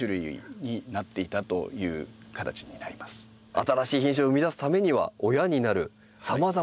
新しい品種を生み出すためには親になるさまざまな品種が必要。